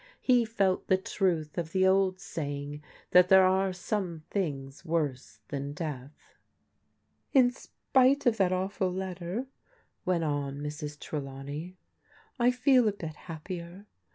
He felt the truth of the old saying that there are some things worse than death. " In spite of that awful letter," went on Mrs. Trelaw ney, " I feel a bit happier.